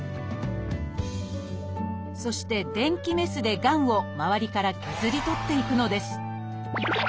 そして電気メスでがんをまわりから削り取っていくのです。